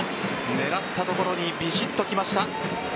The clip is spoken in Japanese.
狙ったところにビシッときました。